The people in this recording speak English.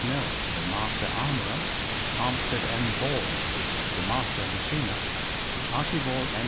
Mills, the master armorer; Armstead M. Ball, the master machinist; Archibald M.